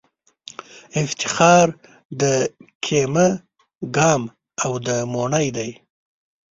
افتخار د کېمه ګام او د موڼی دی